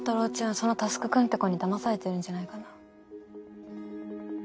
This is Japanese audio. その佑くんって子にだまされてるんじゃないかな。